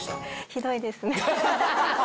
ひどいですね。